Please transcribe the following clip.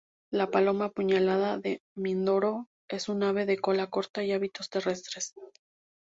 La paloma apuñalada de Mindoro es un ave de cola corta y hábitos terrestres.